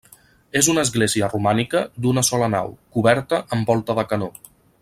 És una església romànica d'una sola nau, coberta amb volta de canó.